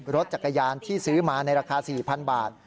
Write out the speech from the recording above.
รถจักรยานที่ซื้อมาในราคา๔๐๐๐บาท